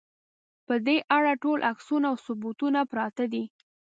په دې اړه ټول عکسونه او ثبوتونه پراته دي.